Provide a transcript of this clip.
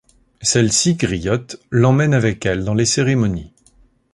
Celle-ci, griotte, l’emmène avec elle dans les cérémonies.